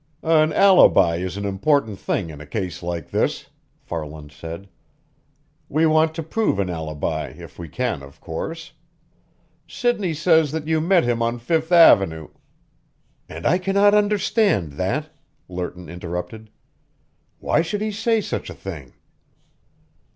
"An alibi is an important thing in a case like this," Farland said. "We want to prove an alibi, if we can, of course. Sidney says that you met him on Fifth Avenue " "And I cannot understand that," Lerton interrupted. "Why should he say such a thing?"